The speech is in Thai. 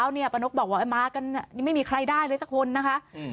นี่ไม่มีใครได้เลยสักคนเหนี่ย